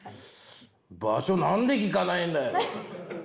場所何で聞かないんだよ。